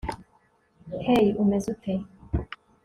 hey, umeze ute